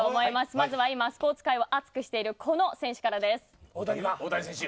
まずは今、スポーツ界を熱くしているこの選手からです。